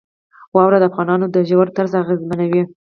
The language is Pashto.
واوره د افغانانو د ژوند طرز اغېزمنوي.